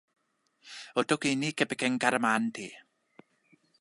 o toki e ni kepeken kalama ante.